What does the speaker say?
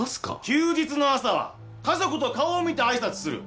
「休日の朝は家族と顔を見てあいさつする」